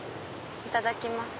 いただきます。